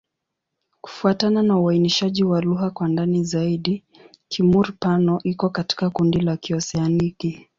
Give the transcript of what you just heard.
Kufuatana na uainishaji wa lugha kwa ndani zaidi, Kimur-Pano iko katika kundi la Kioseaniki.